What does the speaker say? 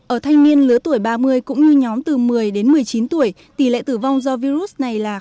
ở thanh niên lứa tuổi ba mươi cũng như nhóm từ một mươi đến một mươi chín tuổi tỷ lệ tử vong do virus này là